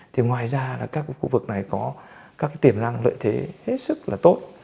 thì ngoài ra là các khu vực này có các tiềm năng lợi thế hết sức là tốt